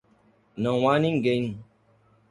Não há ninguém.